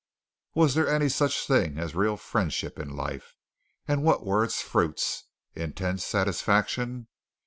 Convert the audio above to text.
Was there any such thing as real friendship in life, and what were its fruits intense satisfaction?